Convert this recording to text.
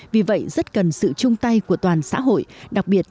vì vậy rất cần sự chung tay của toàn xã hội đặc biệt